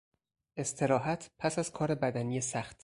استراحت پس از کار بدنی سخت